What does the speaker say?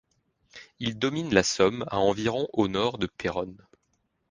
Il domine la Somme à environ au nord de Péronne.